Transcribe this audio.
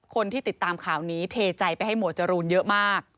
คนที่ติดตามข่าวนี้เทใจไปให้หมวดจรูนเยอะมาก